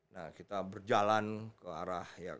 nah kita berjalan ke arah yang